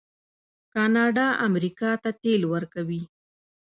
کاناډا امریکا ته تیل ورکوي.